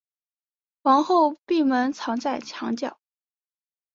皇后闭门藏在墙内。